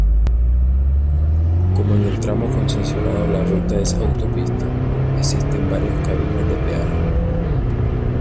Como en el tramo concesionado la ruta es autopista, existen varias cabinas de peaje.